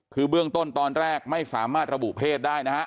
คือเบื้องต้นตอนแรกไม่สามารถระบุเพศได้นะฮะ